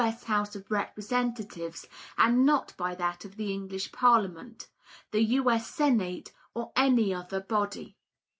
S. House of Representatives, and not by that of the English Parliament, the U. S. Senate, or any other body.